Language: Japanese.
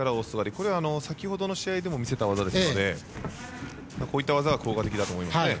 これは、先ほどの試合でも見せた技ですのでこういった技は効果的だと思います。